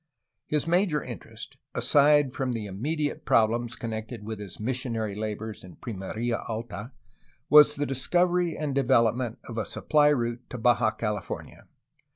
His major interest, aside from the immediate problems connected with his missionary labors in Pimeria Alta, was the discovery and development of a supply route to Baja California.